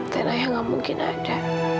dan ayah gak mungkin ada